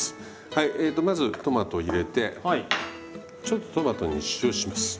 はいえとまずトマト入れてちょっとトマトに塩します。